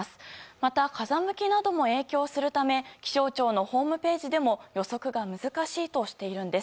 また風向きなど影響するため気象庁のホームページでも予測が難しいとしているんです。